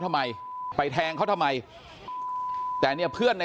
ต้องมาป้องเพื่อนมาปกป้องเพื่อน